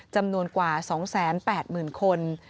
จำนวนกว่า๒๘๐๐๐คน